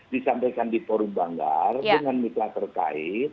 disampaikan di forum banggar dengan mitra terkait